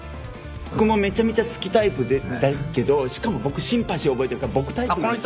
僕もめちゃめちゃ好きタイプだけどしかも僕シンパシー覚えてるから僕タイプなんですよあれが。